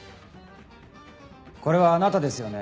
これはあなたですよね？